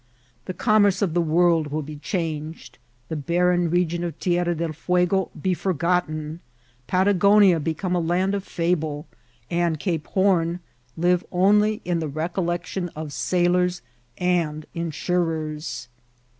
The conunerce of the world wQI be changed, the barren region of Terra del Fuego be forgotten, Patagonia become a land of fable, and Cape Horn live only in the recollection of sailors and 490 IIICIBKMT0 OP TKAYBL. insurers.